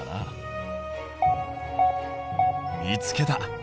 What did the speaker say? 見つけた。